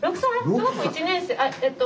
小学校１年生？あえっと